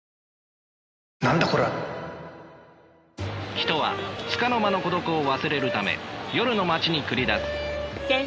人はつかの間の孤独を忘れるため夜の街に繰り出す。